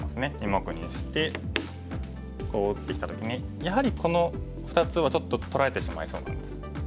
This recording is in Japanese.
２目にしてこう打ってきた時にやはりこの２つはちょっと取られてしまいそうなんです。